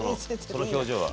その表情は。